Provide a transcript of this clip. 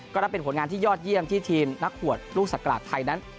ก็นับเป็นผลงานที่ยอดเยี่ยมที่ทีมนักหวดลูกศักราชไทยนั้น